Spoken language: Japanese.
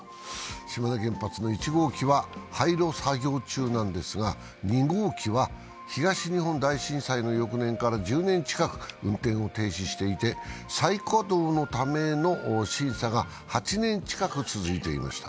島根原発の１号機は廃炉作業中なんですが２号機は東日本大震災の翌年から１０年近く運転を停止していて、再稼働のための審査が８年近く続いていました。